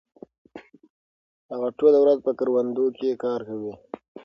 هغوی ټوله ورځ په کروندو کې کار کاوه.